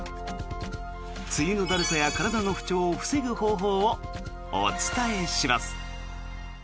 梅雨のだるさや体の不調を防ぐ方法をお伝えします。